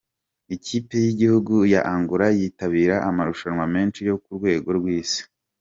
Ikipe y’igihugu ya Angola yitabira amarushanwa menshi yo ku rwego rw’isi.